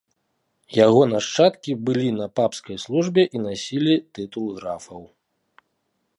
Яго нашчадкі былі на папскай службе і насілі тытул графаў.